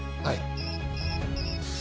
はい。